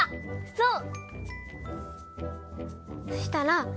そう！